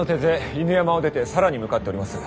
犬山を出て更に向かっております。